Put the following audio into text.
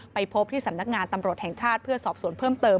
ไปพบที่สำนักงานตำรวจแห่งชาติเพื่อสอบสวนเพิ่มเติม